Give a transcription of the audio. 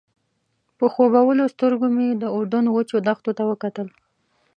په خوبولو سترګو مې د اردن وچو دښتو ته وکتل.